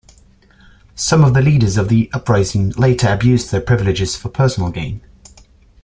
Some of the leaders of the uprising later abused their privileges for personal gain.